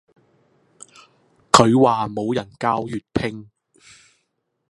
佢話冇人教粵拼